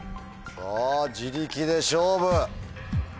さぁ自力で勝負。